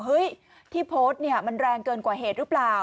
เฮ้ยที่โพสต์มันแรงเกินกว่าเหตุหรือเปล่า